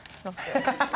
ハハハハッ！